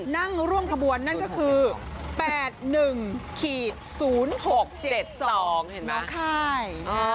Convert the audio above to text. นั่งร่วมขบวนนั่นก็คือ๘๑๐๖๗๒น้องค่าย